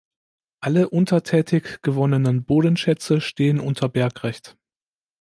Alle untertägig gewonnenen Bodenschätze stehen unter Bergrecht.